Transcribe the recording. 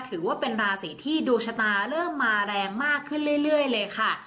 ถือว่าเป็นราศีที่ดวงชะตาเริ่มมาแรงมากขึ้นเรื่อยเลยค่ะ